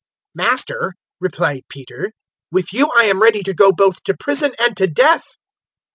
022:033 "Master," replied Peter, "with you I am ready to go both to prison and to death."